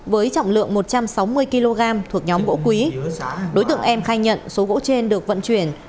với trọng lượng một trăm sáu mươi kg thuộc nhóm gỗ quý đối tượng em khai nhận số gỗ trên được vận chuyển